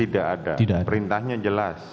tidak ada perintahnya jelas